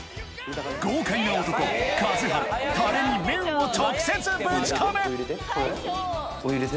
豪快な男数原タレに麺を直接ぶち込むお湯入れて。